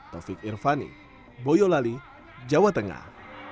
taufik irvani boyolali jawa tengah